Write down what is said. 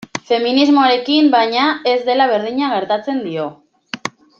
Feminismoarekin, baina, ez dela berdina gertatzen dio.